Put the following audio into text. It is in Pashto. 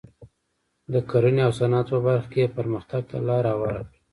د کرنې او صنعت په برخه کې یې پرمختګ ته لار هواره کړه.